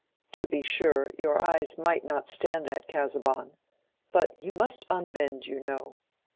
To be sure, your eyes might not stand that, Casaubon. But you must unbend, you know.